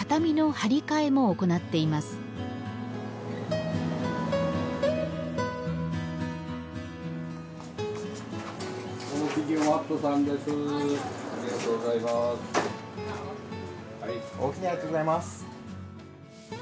ありがとうございます。